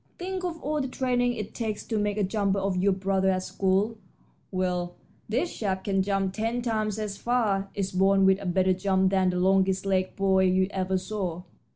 Think of all the training it takes to make a jumper of your brother at school. Well, this chap can jump ten times as far. It's born with a better jump than the longest legged boy you ever saw.